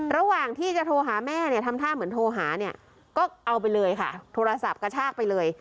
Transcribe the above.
ระหว่างที่จะโทรหาแม่เนี่ยทำท่าเหมือนโทรหาเนี่ยก็เอาไปเลยค่ะโทรศัพท์กระชากไปเลย